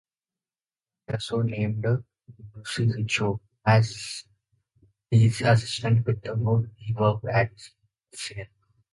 Gattuso named Luigi Riccio as his assistant, with whom he worked at Sion.